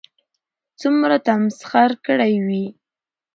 څومره تمسخر كړى وي